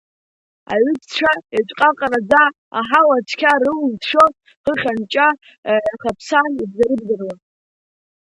Аҩызцәа еиҵәҟаҟараӡа, аҳауа цқьа рылшәшәо, хыхь анҷа иахаԥсан, ибзарыбзаруа.